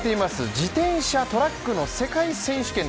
自転車トラックの世界選手権。